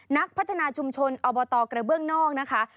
นักพัฒนาชุมชนอบตกระเบื้องนอกนะคะ